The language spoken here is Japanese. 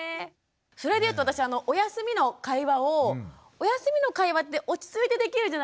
それでいうと私おやすみの会話をおやすみの会話って落ち着いてできるじゃないですか。